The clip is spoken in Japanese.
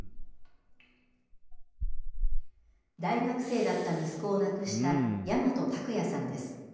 大学生だった息子を亡くした大和卓也さんです。